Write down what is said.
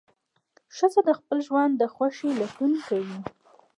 ښځه د خپل ژوند د خوښۍ لټون کوي.